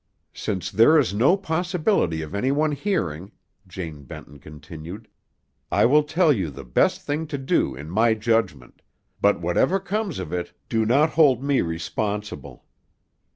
"Since there is no possibility of anyone hearing," Jane Benton continued, "I will tell you the best thing to do in my judgment; but whatever comes of it, do not hold me responsible.